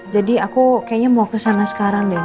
jadi aku kayaknya mau kesana sekarang deh ma